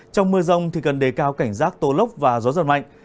trong mưa rông thì cần đề cao cảnh giác tố lốc và gió giật mạnh